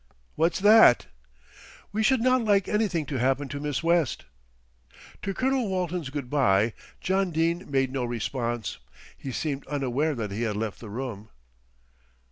"What's that?" "We should not like anything to happen to Miss West." To Colonel Walton's "Good day" John Dene made no response, he seemed unaware that he had left the room.